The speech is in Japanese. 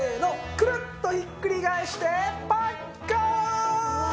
クルッとひっくり返してパッカーン！